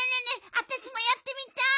あたしもやってみたい！